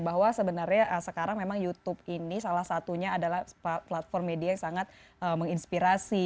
bahwa sebenarnya sekarang memang youtube ini salah satunya adalah platform media yang sangat menginspirasi